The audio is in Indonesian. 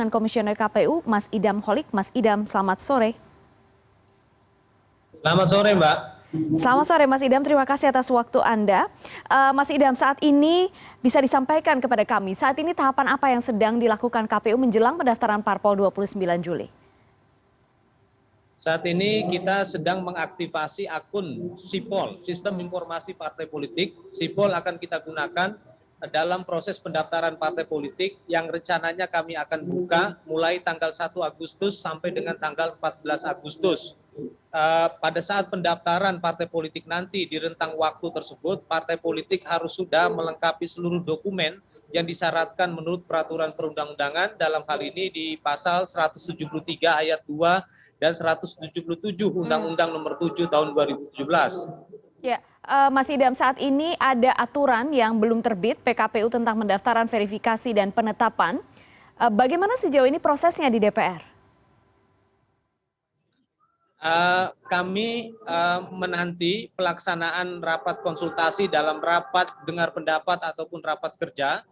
kami menanti pelaksanaan rapat konsultasi dalam rapat dengar pendapat ataupun rapat kerja